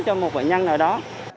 cho một bệnh nhân nào đó